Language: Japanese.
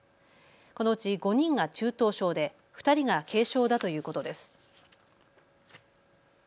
このうち５人が中等症で２人が軽症だということです。